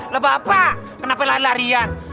lah bapak kenapa lari larian